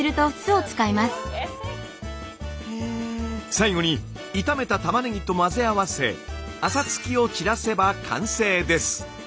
最後に炒めたタマネギと混ぜ合わせアサツキを散らせば完成です。